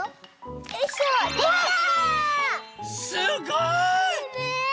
すごい！ねえ！